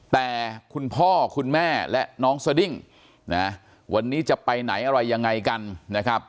แต่คุณพ่อคุณแม่และน้องสดิ้งนะวันนี้จะไปไหนอะไรยังไงกันนะครับ